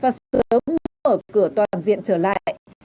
và sớm mở cửa toàn diện trở lại